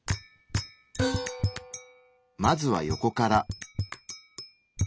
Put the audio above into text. まずはヨコから。